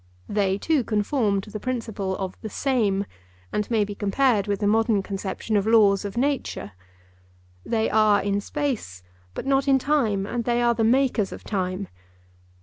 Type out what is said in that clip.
They too conform to the principle of the same, and may be compared with the modern conception of laws of nature. They are in space, but not in time, and they are the makers of time.